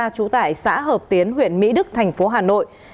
trú tại xã hợp tiến huyện mỹ đức thành phố hà nội